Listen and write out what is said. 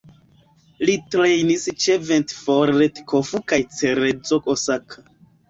Li trejnis ĉe Ventforet Kofu kaj Cerezo Osaka.